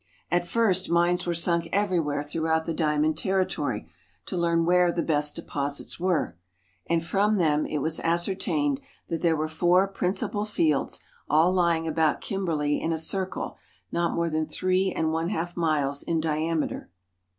At first mines were sunk everywhere throughout the diamond territory to learn where the best deposits were, and from them it was ascertained that there were four principal fields all lying about Kimberley in a circle not more than three and one half miles in diameter.